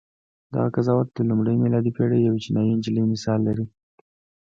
دغه قضاوت د لومړۍ میلادي پېړۍ یوې چینایي نجلۍ مثال لري.